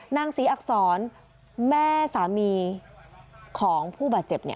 นางศรีอักษรแม่สามีของผู้บาดเจ็บ